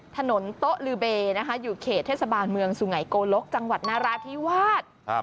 ถนนโต๊ะลือเบอยู่เขตเทศบาลเมืองสุไงโกลกจังหวัดนาราธิวาส